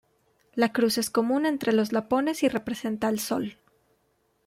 La cruz es común entre los lapones y representa al Sol.